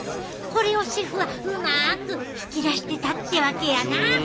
これをシェフはうまく引き出してたってわけやな！